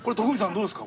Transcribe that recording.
どうですか？